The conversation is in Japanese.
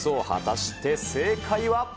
果たして正解は。